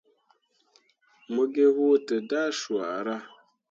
Mo gi huu dǝdah swara.